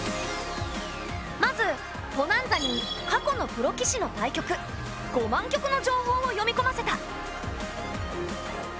まずポナンザに過去のプロ棋士の対局５万局の情報を読みこませた。